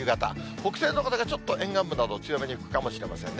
北西の風がちょっと沿岸部など、強めに吹くかもしれませんね。